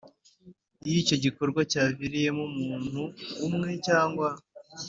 Iyo icyo gikorwa cyaviriyemo umuntu umwe cyangwa